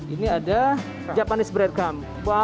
ini ada japanese bread crumb